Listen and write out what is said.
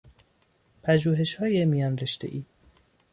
پژوهشهای میانرشتهای